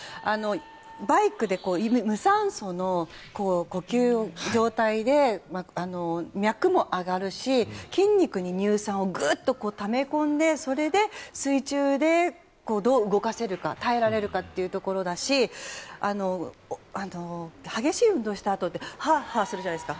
バイクで無酸素の呼吸の状態で脈も上がるし筋肉に乳酸をグッとため込んでそれで水中でどう動かせるか耐えられるかというところだし激しい運動をしたあとはハアハアするじゃないですか。